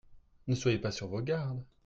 Ne soyez pas sur vos gardes.